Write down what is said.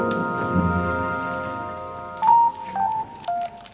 buat ibu diamo yang cantik